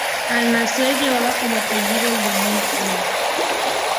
Al nacer llevaba como apellido el de Müller.